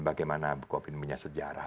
bagaimana bu kukmin punya sejarah